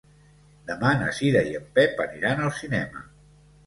Demà na Cira i en Pep aniran al cinema.